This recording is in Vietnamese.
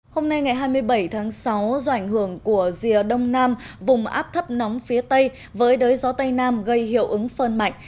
hôm nay ngày hai mươi bảy tháng sáu do ảnh hưởng của rìa đông nam vùng áp thấp nóng phía tây với đới gió tây nam gây hiệu ứng phơn mạnh